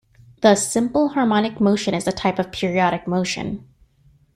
Thus simple harmonic motion is a type of periodic motion.